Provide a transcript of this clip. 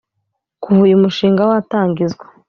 Kuva uyu mushinga watangizwa